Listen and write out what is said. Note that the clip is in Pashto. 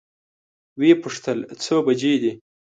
وې پوښتل څو بجې دي؟